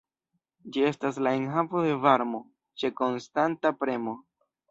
Ĝi estas la enhavo de varmo ĉe konstanta premo.